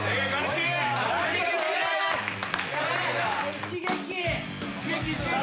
一撃。